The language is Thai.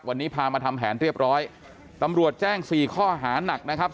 วันนี้พามาทำแผนเรียบร้อยตำรวจแจ้งสี่ข้อหานักนะครับ